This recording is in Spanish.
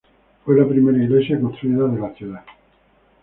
Fue la primera iglesia construida de la ciudad.